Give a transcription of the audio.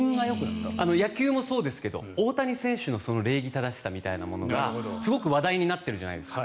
野球もそうですけど大谷選手の礼儀正しさみたいなものがすごく話題になってるじゃないですか。